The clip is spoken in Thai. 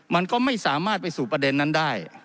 มันก็ไม่สามารถไปสู่ประเด็นนั้นได้